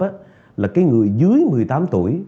cái việc đó là cái người dưới một mươi tám tuổi